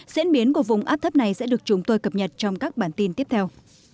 diễn biến của vùng áp thấp này sẽ được chúng tôi cập nhật trong các bản tin tiếp theo